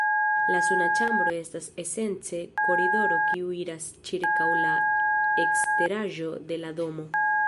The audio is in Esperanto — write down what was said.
la suna ĉambro estas esence koridoro kiu iras ĉirkaŭ la eskteraĵo de la domo.